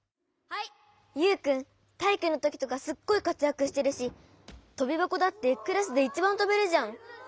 ユウくんたいいくのときとかすっごいかつやくしてるしとびばこだってクラスでいちばんとべるじゃん。